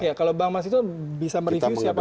ya kalau bang mas itu bisa mereview siapa